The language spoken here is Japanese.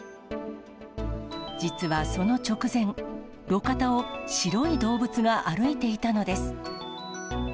実はその直前、路肩を白い動物が歩いていたのです。